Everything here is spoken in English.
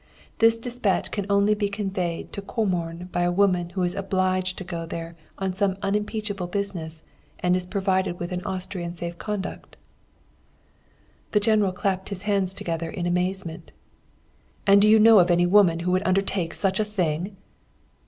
This despatch can only be conveyed to Comorn by a woman who is obliged to go there on some unimpeachable business, and is provided with an Austrian safe conduct.' "The General clapped his hands together in amazement. "'And do you know of any woman who would undertake such a thing?'